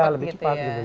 ya lebih cepat